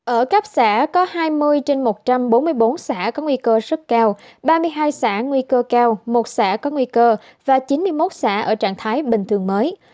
ở cấp xã có hai mươi trên một trăm bốn mươi bốn xã có nguy cơ rất cao ba mươi hai xã nguy cơ cao một xã có nguy cơ và chín mươi một xã ở trạng thái bình thường mới